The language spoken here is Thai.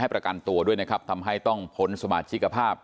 ประกันตัวด้วยนะครับทำให้ต้องพ้นสมาชิกภาพ